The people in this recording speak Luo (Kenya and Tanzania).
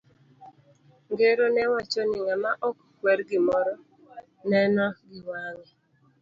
Ng'ero no wacho ni, ng'ama ok kwer gimoro, neno gi wange.